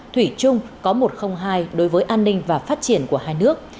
thủy chung có một không hai đối với an ninh và phát triển của hai nước